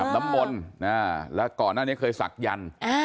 อับน้ำมนต์แล้วก่อนอันนี้เคยศักดิ์ยันต์